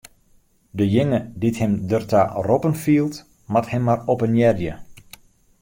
Dejinge dy't him derta roppen fielt, moat him mar oppenearje.